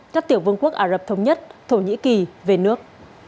các tiểu vương quốc ả rập thống nhất thổ nhĩ kỳ về nước